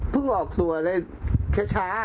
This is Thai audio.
เพิ่งออกตัวเลยแค่ช้า